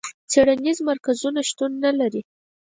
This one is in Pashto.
څېړنیز مرکزونه شتون نه لري.